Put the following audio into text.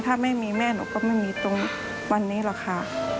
ถ้าไม่มีแม่หนูก็ไม่มีตรงวันนี้หรอกค่ะ